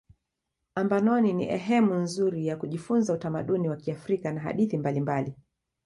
ambanoni ni ehemu nzuri ya kujifunza utamaduni wa kiafrika na hadithi mbalimbali